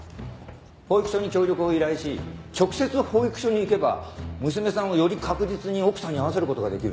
保育所に協力を依頼し直接保育所に行けば娘さんをより確実に奥さんに会わせる事ができる。